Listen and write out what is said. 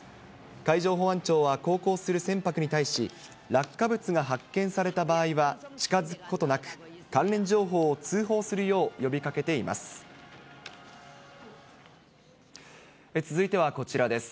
海上保安庁は航行する船舶に対し、落下物が発見された場合は、近づくことなく、関連情報を通報するよう呼びかけています。